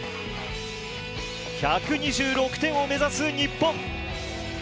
１２６点を目指す日本。